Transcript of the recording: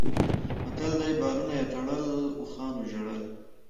متل دی: بارونه یې تړل اوښانو ژړل.